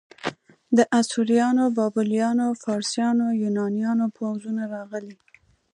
د اسوریانو، بابلیانو، فارسیانو، یونانیانو پوځونه راغلي.